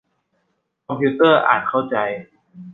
คอมพิวเตอร์อ่านเข้าใจ